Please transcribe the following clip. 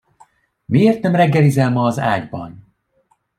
Miért nem reggelizel ma az ágyban?